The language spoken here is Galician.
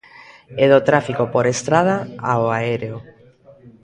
E do tráfico por estrada, ao aéreo.